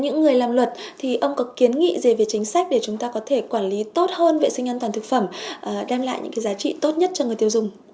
những người làm luật thì ông có kiến nghị về chính sách để chúng ta có thể quản lý tốt hơn vệ sinh an toàn thực phẩm đem lại những cái giá trị tốt nhất cho người tiêu dùng